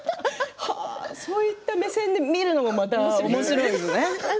そういった目線で見るのもおもしろいですね。